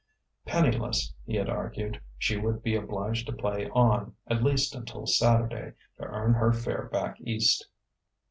Penniless (he had argued) she would be obliged to play on, at least until Saturday, to earn her fare back East.